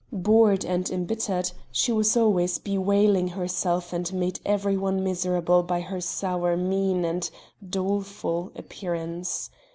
Bored and embittered, she was always bewailing herself and made every one miserable by her sour mien and doleful, appearance.